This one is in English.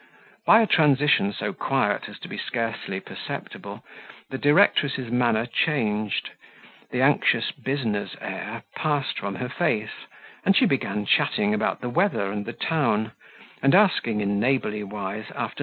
By a transition so quiet as to be scarcely perceptible, the directress's manner changed; the anxious business air passed from her face, and she began chatting about the weather and the town, and asking in neighbourly wise after M.